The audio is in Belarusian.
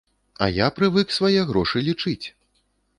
А я прывык свае грошы лічыць.